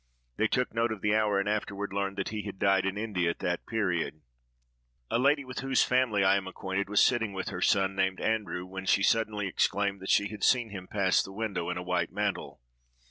They took note of the hour, and afterward learned that he had died in India at that period. A lady, with whose family I am acquainted, was sitting with her son, named Andrew, when she suddenly exclaimed that she had seen him pass the window, in a white mantle.